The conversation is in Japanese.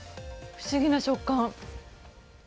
不思議な食感。